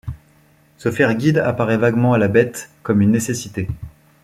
Se faire guide apparaît vaguement à la bête comme une nécessité.